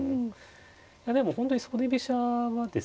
いやでも本当に袖飛車はですね